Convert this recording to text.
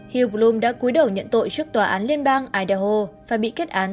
hillblum đã cúi đầu nhận tội trước tòa án liên bang idaho và bị kết án tám năm tù